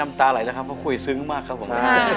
น้ำตาไหลแล้วครับเพราะคุยซึ้งมากครับผม